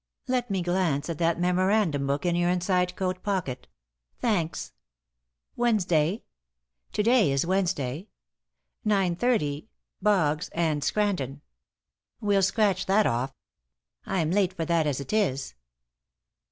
Let me glance at that memorandum book in your inside coat pocket. Thanks. Wednesday? To day is Wednesday. Nine thirty Boggs and Scranton. We'll scratch that off. I'm late for that, as it is.